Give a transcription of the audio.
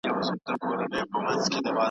پالک او شنه سبزیجات د وینې لپاره ګټور دي.